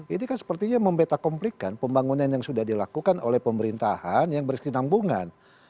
ini kan sepertinya mempetakomplikan pembangunan yang sudah dilakukan oleh pemerintahan yang berkesinambungan